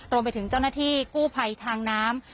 รวมไปถึงเจ้าหน้าที่กู้ภัยทางน้ำ